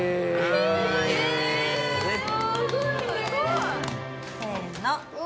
すごい！せの！